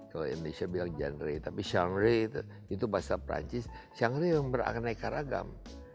kalau indonesia bilang genre tapi genre itu bahasa perancis genre yang beraneka ragam